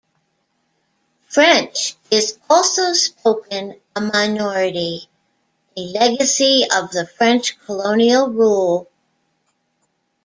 French is also spoken a minority, a legacy of the French colonial rule.